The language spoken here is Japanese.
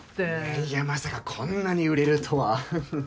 いやいやまさかこんなに売れるとは。